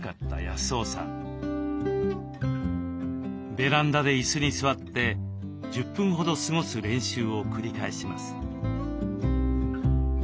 ベランダで椅子に座って１０分ほど過ごす練習を繰り返します。